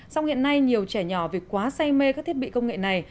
song hiện nay nhiều trẻ nhỏ vì quá say mê các thiết bị công nghệ này